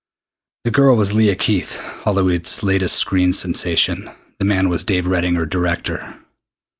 The girl was Leah Keith, Hollywood's latest screen sensation. The man was Dave Redding, her director.